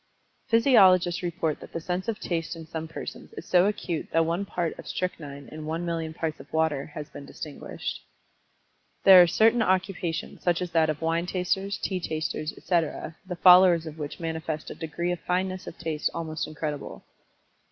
Physiologists report that the sense of Taste in some persons is so acute that one part of strychnine in one million parts of water has been distinguished. There are certain occupations, such as that of wine tasters, tea tasters, etc., the followers of which manifest a degree of fineness of Taste almost incredible.